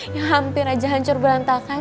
yang hampir aja hancur berantakan